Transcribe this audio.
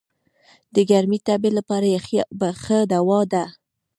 د ګرمي تبي لپاره یخي اوبه ښه دوا ده.